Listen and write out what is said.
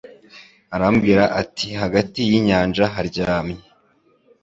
Arambwira ati Hagati y'inyanja haryamye